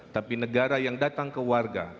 tapi negara yang datang ke warga